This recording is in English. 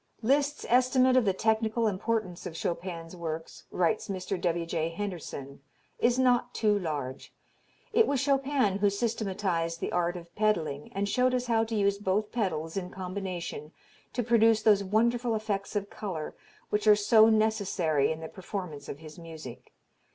"Liszt's estimate of the technical importance of Chopin's works," writes Mr. W.J. Henderson, "is not too large. It was Chopin who systematized the art of pedalling and showed us how to use both pedals in combination to produce those wonderful effects of color which are so necessary in the performance of his music.